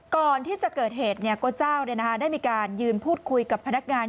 ก่อนที่จะเกิดเหตุโกเจ้าได้มีการยืนพูดคุยกับพนักงาน